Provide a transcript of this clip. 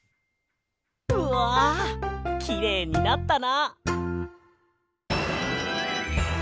うわきれいになったな！